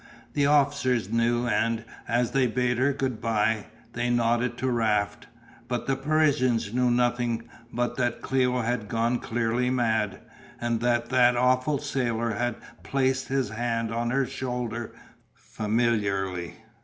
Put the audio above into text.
The officers knew and, as they bade her good bye, they nodded to Raft, but the Parisians knew nothing but that Cléo had gone clearly mad and that that awful sailor had placed his hand on her shoulder, familiarly!